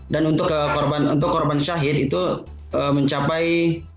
dan untuk korban syahid itu mencapai